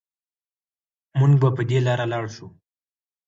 مونږ به په دې لارې لاړ شو